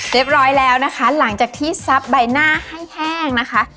เรียบร้อยแล้วนะคะหลังจากที่ซับใบหน้าให้แห้งนะคะ